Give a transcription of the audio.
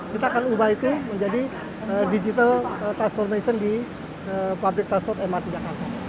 kita akan ubah itu menjadi digital transformation di pabrik transport mrt jakarta